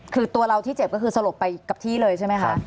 คือตัวเราที่เจ็บก็คือสลบไปกับที่เลยใช่ไหมคะ